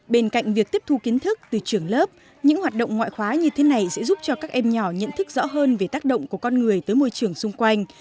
bên cạnh việc tiếp thu kiến thức từ trường lớp những hoạt động ngoại khóa như thế này sẽ giúp cho các em nhỏ nhận thức rõ hơn về tác động của con người tới môi trường xung quanh